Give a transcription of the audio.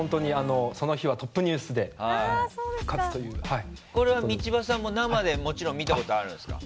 その日はトップニュースでこれは道場さんも生で見たことあるんですか。